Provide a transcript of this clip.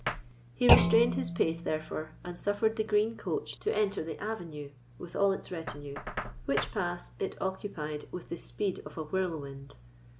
He restrained his pace, therefore, and suffered the green coach to enter the avenue, with all its retinue, which pass it occupied with the speed of a whirlwind.